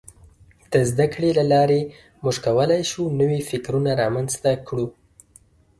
د زدهکړې له لارې موږ کولای شو نوي فکرونه رامنځته کړو.